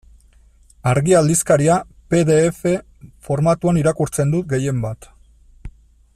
Argia aldizkaria pe de efe formatuan irakurtzen dut gehienbat.